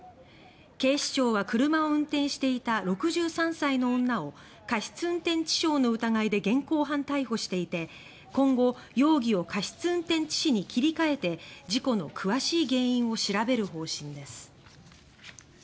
警視庁は車を運転していた６０代の女を過失運転致傷の疑いで現行犯逮捕していて今後容疑を過失運転致死に切り替えて事故の詳しい原因を調べる方針です。